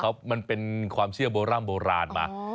มันเป็นความเชื่อโบร่ำโบราณมา